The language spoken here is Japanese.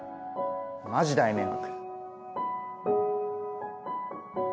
マジ大迷惑。